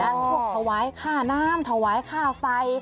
พวกถวายค่าน้ำถวายค่าไฟ